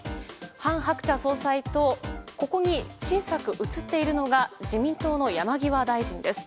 韓鶴子総裁とここに小さく映っているのが自民党の山際大臣です。